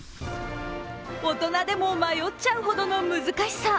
大人でも迷っちゃうほどの難しさ。